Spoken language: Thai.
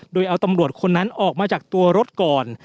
โดยเอาตำรวจคนนั้นออกมาจากตัวรถก่อน